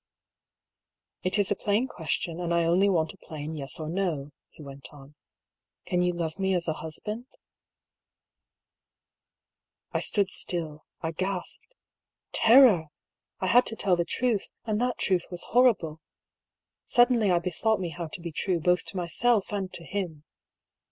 "It is a plain question, and I only want a plain Yes or No," he went on. "Can you love me as a husband?" FOUND IN AN OLD NOTEBOOK OP LILIA PYM'S. I35 I stood still, I gasped. Terror ! I had to tell the truth, and that truth was horrible. Suddenly I be thought me how to be true both to myself and to him.